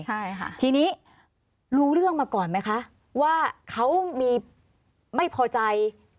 ใช่ค่ะทีนี้รู้เรื่องมาก่อนไหมคะว่าเขามีไม่พอใจ